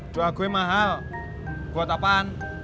doa gue mahal buat apaan